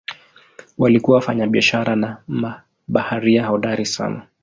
Walikuwa wafanyabiashara na mabaharia hodari sana.